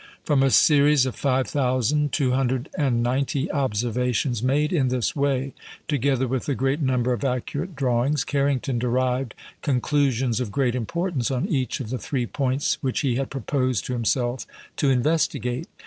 From a series of 5,290 observations made in this way, together with a great number of accurate drawings, Carrington derived conclusions of great importance on each of the three points which he had proposed to himself to investigate.